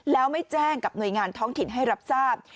แล้วไม่แจ้งกับหน่วยงานท้องถิ่นให้รับทราบ